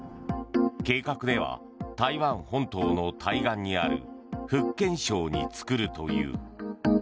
計画では、台湾本島の対岸にある福建省に作るという。